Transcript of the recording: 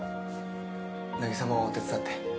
凪沙も手伝って。